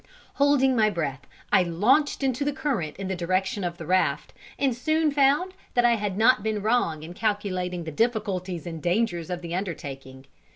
Holding my breath, I launched into the current in the direction of the raft, and soon found that I had not been wrong in calculating the difficulties and dangers of the undertaking.